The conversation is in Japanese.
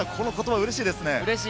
うれしいです。